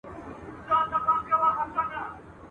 یوه جاهل مي، د خپلي کورنۍ تربیې له برکته ..